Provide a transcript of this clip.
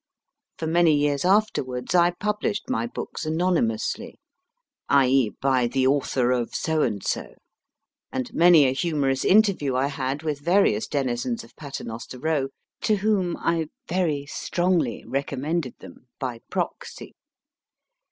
For many years afterwards I published my books anonymously (i.e., by the author of so and so), and many a humorous interview I had with various denizens of Paternoster Row, to whom I (very strongly) recommended them, by proxy.